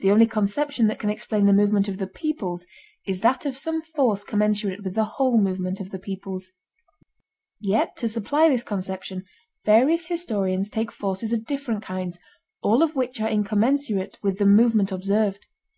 The only conception that can explain the movement of the peoples is that of some force commensurate with the whole movement of the peoples. Yet to supply this conception various historians take forces of different kinds, all of which are incommensurate with the movement observed.